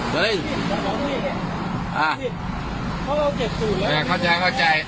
เขาจะเข้าใจ